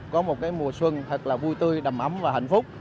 có một mùa xuân thật là vui tươi đầm ấm và hạnh phúc